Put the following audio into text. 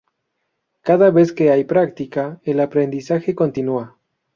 Cada vez que hay práctica, el aprendizaje continúa.